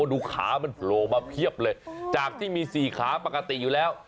ดูขามันโผล่มาเพียบเลยจากที่มีสี่ขาปกติอยู่แล้ว